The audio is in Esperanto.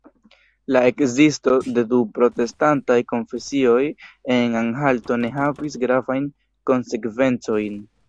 La ekzisto de du protestantaj konfesioj en Anhalto ne havis gravajn konsekvencojn.